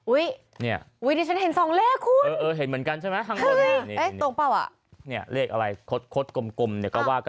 อุ๊ยดิฉันเห็นส่องเลขคุณเออเห็นเหมือนกันใช่ไหมตรงเปล่าอ่ะ